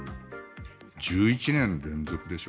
１１年連続でしょ？